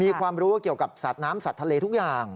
มีความรู้เกี่ยวกับสัตว์น้ำสัตว์ทะเลทุกอย่าง